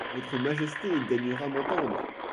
Votre Majesté daignera m'entendre!